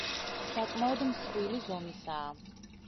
საკმაოდ მსხვილი ზომისაა.